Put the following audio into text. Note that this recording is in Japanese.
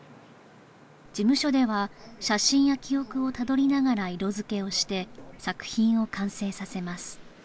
事務所では写真や記憶をたどりながら色づけをして作品を完成させます